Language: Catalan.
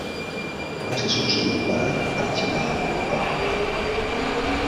Va ser succeït per Archibald Clark.